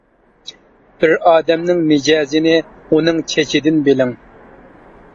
بىر ئادەمنىڭ مىجەزىنى ئۇنىڭ چېچىدىن بىلىڭ.